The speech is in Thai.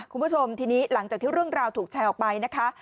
คุณผู้ชมทีนี้หลังจากที่เรื่องราวถูกแชร์ออกไปนะคะ